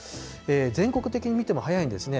全国的に見ても早いんですね。